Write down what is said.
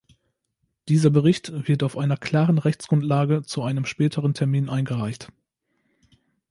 Dieser Bericht wird auf einer klaren Rechtsgrundlage zu einem späteren Termin eingereicht.